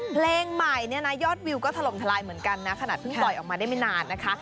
เพลงใหม่เนี่ยนะยอดวิวก็ถล่มทลายเหมือนกันนะขนาดเพิ่งปล่อยออกมาได้ไม่นานนะคะ